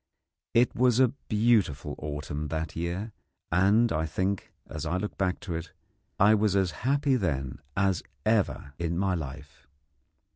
It was a beautiful autumn that year, and I think, as I look back to it, I was as happy then as ever in my life.